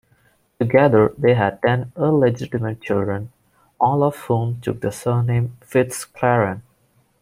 Together they had ten illegitimate children, all of whom took the surname "FitzClarence".